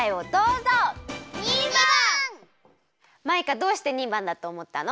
マイカどうして２ばんだとおもったの？